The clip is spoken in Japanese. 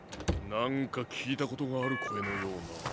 なんかきいたことがあるこえのような。